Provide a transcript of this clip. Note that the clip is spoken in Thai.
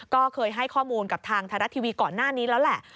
ก็เคยให้ข้อมูลกับทางไทยรัฐทีวีก่อนหน้านี้แล้วแหละ